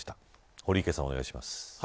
堀池さん、お願いします。